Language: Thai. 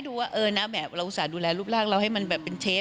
ดูว่าเออนะแบบเราอุตส่าห์ดูแลรูปร่างเราให้มันแบบเป็นเชฟ